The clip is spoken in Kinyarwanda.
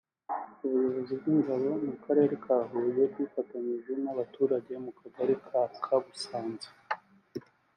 ubuyobozi bw’Ingabo mu Karere ka Huye bwifatanyijemo n’abatuye mu Kagari ka Kabusanza